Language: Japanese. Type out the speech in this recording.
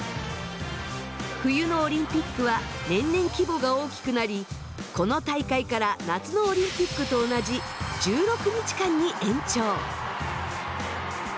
冬のオリンピックは年々規模が大きくなりこの大会から夏のオリンピックと同じ１６日間に延長。